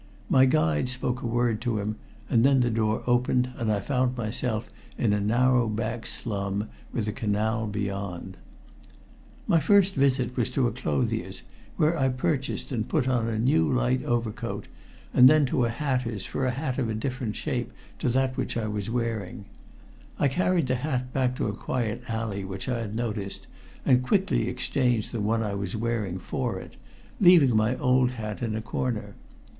My guide spoke a word to him, and then the door opened and I found myself in a narrow back slum with the canal beyond. My first visit was to a clothier's, where I purchased and put on a new light overcoat and then to a hatter's for a hat of different shape to that I was wearing. I carried the hat back to a quiet alley which I had noticed, and quickly exchanged the one I was wearing for it, leaving my old hat in a corner.